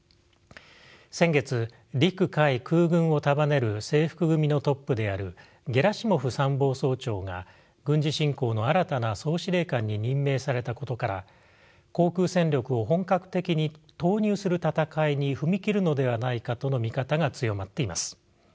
先月陸海空軍を束ねる制服組のトップであるゲラシモフ参謀総長が軍事侵攻の新たな総司令官に任命されたことから航空戦力を本格的に投入する戦いに踏み切るのではないかとの見方が強まっています。